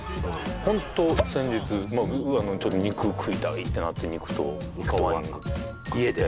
ホント先日ちょっと肉食いたいってなって肉と赤ワイン買って家で？